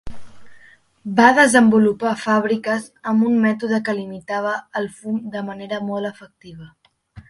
Va desenvolupar fàbriques amb un mètode que limitava el fum de manera molt efectiva.